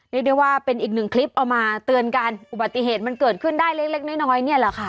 เรียกได้ว่าเป็นอีกหนึ่งคลิปเอามาเตือนกันอุบัติเหตุมันเกิดขึ้นได้เล็กน้อยเนี่ยแหละค่ะ